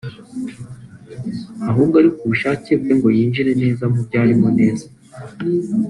ahubwo ari ku bushake bwe ngo yinjire neza mubyo arimo neza